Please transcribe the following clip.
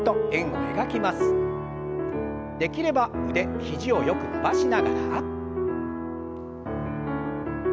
できれば腕肘をよく伸ばしながら。